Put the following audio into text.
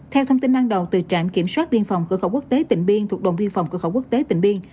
theo thông tin ban đầu từ trạm kiểm soát biên phòng cư khẩu quốc tế tỉnh biên thuộc đồng biên phòng cư khẩu quốc tế tỉnh biên